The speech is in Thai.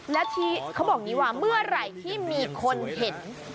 แล้วที่เขาบอกอย่างนี้ว่าเมื่อไหร่ที่มีคนเห็น